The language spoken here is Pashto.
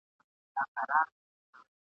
چي مي غزلي ورته لیکلې ..